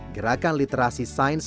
gerakan literasi sains